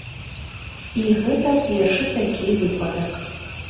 І гэта першы такі выпадак.